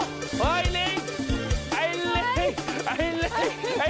โอ้โหเหลือเสียงมันดับขึ้นเรื่อยเรื่อยอ่ะเอ้า